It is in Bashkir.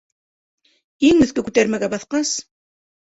Иң өҫкө күтәрмәгә баҫҡас: